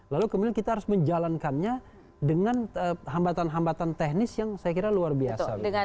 lalu kemudian kita harus menjalankannya dengan hambatan hambatan teknis yang saya kira luar biasa